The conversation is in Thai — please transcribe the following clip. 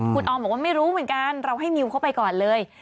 คุณออมบอกว่าไม่รู้เหมือนกันเราให้นิวเข้าไปก่อนเลย